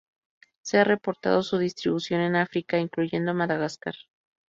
Se ha reportado su distribución en África, incluyendo Madagascar.